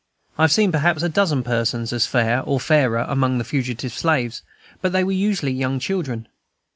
I have seen perhaps a dozen persons as fair, or fairer, among fugitive slaves, but they were usually young children.